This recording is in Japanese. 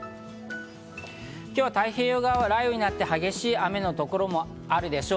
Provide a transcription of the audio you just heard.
今日は太平洋側は雷雨になって激しい雨の所もあるでしょう。